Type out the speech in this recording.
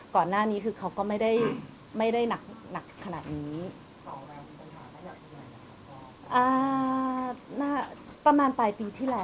ก่อนหน้านี้คือเขาก็ไม่ได้นักขนาดนี้